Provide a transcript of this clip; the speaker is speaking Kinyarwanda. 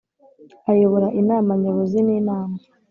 Ayobora Inama Nyobozi n Inama